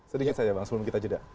sedikit saja bang sebelum kita jeda